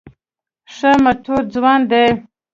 ښه مټور ځوان دی.